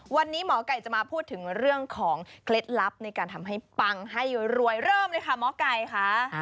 วันนี้หมอไก่จะมาพูดถึงเรื่องของเคล็ดลับในการทำให้ปังให้รวยเริ่มเลยค่ะหมอไก่ค่ะ